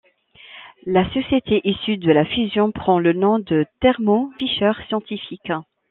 La société issue de la fusion prend le nom de Thermo Fisher Scientific.